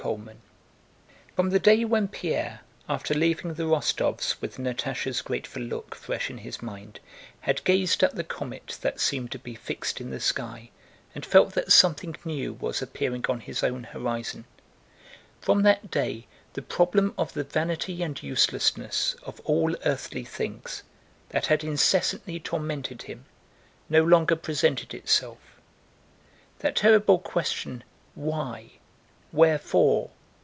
CHAPTER XIX From the day when Pierre, after leaving the Rostóvs' with Natásha's grateful look fresh in his mind, had gazed at the comet that seemed to be fixed in the sky and felt that something new was appearing on his own horizon—from that day the problem of the vanity and uselessness of all earthly things, that had incessantly tormented him, no longer presented itself. That terrible question "Why?" "Wherefore?"